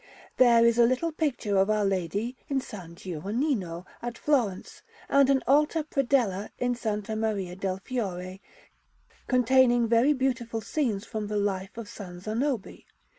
There is a little picture of Our Lady in S. Giovannino, at Florence; and an altar predella in S. Maria del Fiore, containing very beautiful scenes from the life of S. Zanobi.